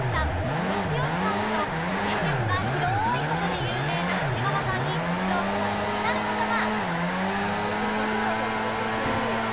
ムロツヨシさんなど人脈が広い事で有名な長谷川さんに京子は気になる事が